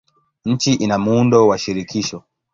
Nchi ina muundo wa shirikisho.